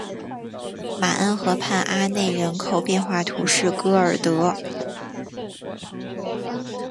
马恩河畔阿内人口变化图示戈尔德